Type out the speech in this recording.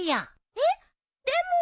えっでも。